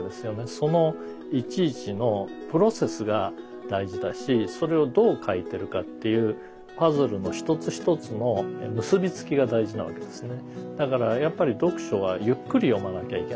そのいちいちのプロセスが大事だしそれをどう書いてるかっていうパズルの一つ一つの結び付きが大事なわけですね。